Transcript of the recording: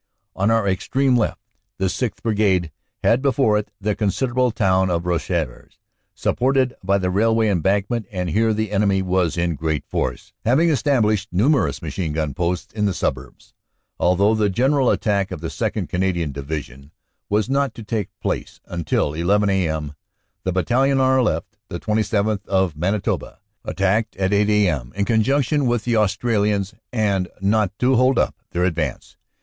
On our extreme left the 6th. Brigade had before it the con siderable town of Rosieres, supported by the railway embank ment, and here the enemy was in great force, having estab lished numerous machine gun posts in the suburbs. Although the general attack of the 2nd. Canadian Division was not to take place until 1 1 a.m., the battalion on our left, the 27th., of Manitoba, attacked at 8 a.m., in conjunction with the Aus tralians and not to hold up their advance.